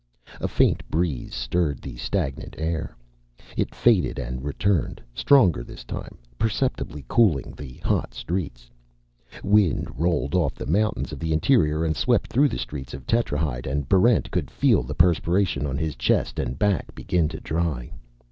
A faint breeze stirred the stagnant air. It faded and returned, stronger this time, perceptibly cooling the hot streets. Wind rolled off the mountains of the interior and swept through the streets of Tetrahyde, and Barrent could feel the perspiration on his chest and back begin to dry.